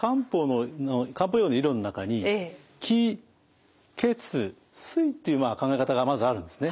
漢方医療の理論の中に「気血水」っていう考え方がまずあるんですね。